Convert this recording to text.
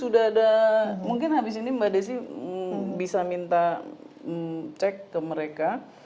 sudah ada mungkin habis ini mbak desy bisa minta cek ke mereka